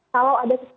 kalau ada kesimpulan